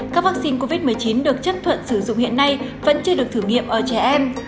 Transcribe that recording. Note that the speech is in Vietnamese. các vaccine covid một mươi chín được chấp thuận sử dụng hiện nay vẫn chưa được thử nghiệm ở trẻ em